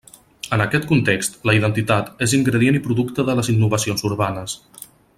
En aquest context, la identitat és ingredient i producte de les innovacions urbanes.